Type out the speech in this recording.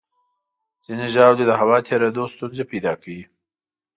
ځینې ژاولې د هوا تېرېدو ستونزې پیدا کوي.